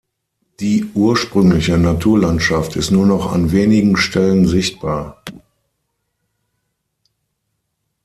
Die ursprüngliche Naturlandschaft ist nur noch an wenigen Stellen sichtbar.